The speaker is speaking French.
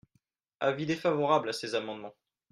Avis défavorable à ces amendements.